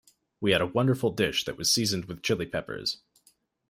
We had a wonderful dish that was seasoned with Chili Peppers.